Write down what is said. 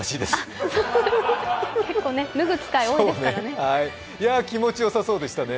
結構、脱ぐ機会が多いですからね。